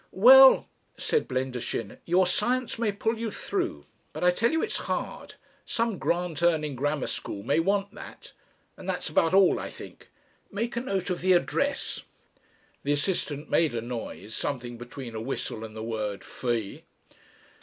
"Well," said Blendershin, "your science may pull you through. But I tell you it's hard. Some grant earning grammar school may want that. And that's about all, I think. Make a note of the address...." The assistant made a noise, something between a whistle and the word "Fee."